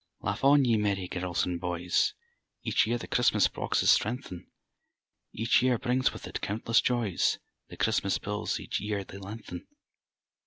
_) Laugh on, ye merry girls and boys! (Each year the Christmas boxes strengthen,) Each year brings with it countless joys; (_The Christmas bills each year they lengthen.